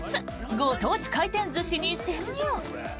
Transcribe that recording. ご当地回転寿司に潜入。